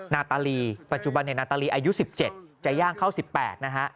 นาตาลีปัจจุบันนาตาลีอายุ๑๗จะย่างเข้า๑๘นะฮะ